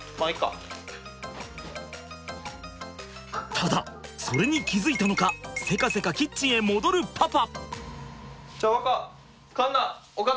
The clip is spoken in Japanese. ただそれに気付いたのかせかせかキッチンへ戻るパパ。